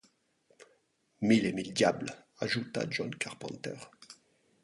Mille et mille diables !… ajouta John Carpenter.